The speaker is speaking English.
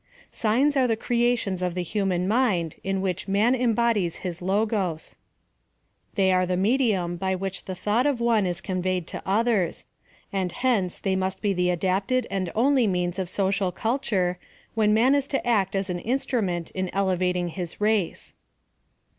Signs are the creations of the human mind in which 7nafi embodies his h^os ; they are the medium by which the thought of one is conveyed to others; and hence they must he the adapted and only means of moral culture, when man is to act as a« instrument in elevating his race.